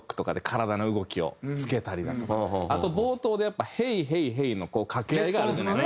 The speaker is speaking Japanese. あと冒頭でやっぱ「Ｈｅｙｈｅｙｈｅｙ」の掛け合いがあるじゃないですか。